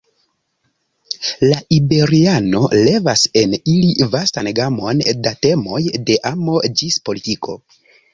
La iberiano levas en ili vastan gamon da temoj, de amo ĝis politiko.